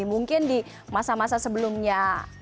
mungkin di masa masa sebelumnya